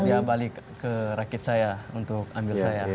dia balik ke rakit saya untuk ambil saya